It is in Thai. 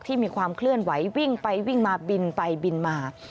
มีความเคลื่อนไหววิ่งไปวิ่งมาบินไปบินมา